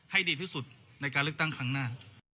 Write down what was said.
ให้ดีที่สุดในการเลือกตั้งครั้งหน้า